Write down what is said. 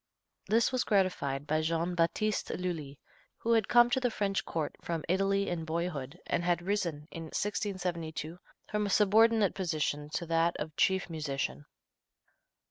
This was gratified by Jean Battiste Lully, who had come to the French court from Italy in boyhood, and had risen, in 1672, from a subordinate position to that of chief musician.